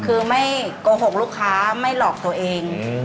คือไม่โกหกลูกค้าไม่หลอกตัวเอง